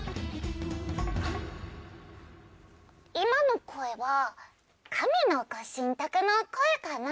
今の声は神の御神託の声かな。